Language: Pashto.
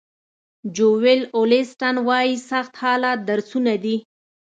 جویل اولیسټن وایي سخت حالات درسونه دي.